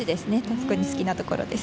特に好きなところです。